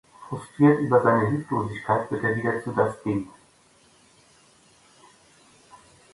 Frustriert über seine Hilflosigkeit wird er wieder zu Das Ding.